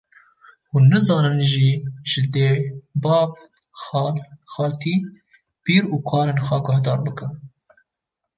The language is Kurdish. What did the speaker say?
hûn nizanin jî ji dê, bav, xal, xaltî, pîr û kalên xwe guhdar bikin